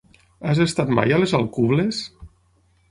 Has estat mai a les Alcubles?